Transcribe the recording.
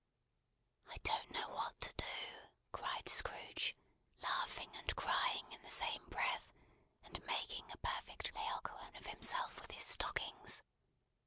"I don't know what to do!" cried Scrooge, laughing and crying in the same breath; and making a perfect Laocoön of himself with his stockings.